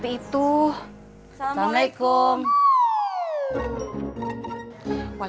tati aku mau ke rumah